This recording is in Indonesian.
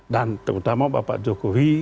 dan terutama bapak jokowi